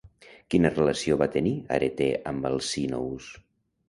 Quina relació van tenir Areté amb Alcínous?